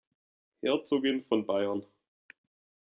Herzogin von Bayern.